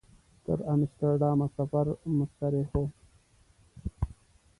تر امسټرډامه سفر مستریح و.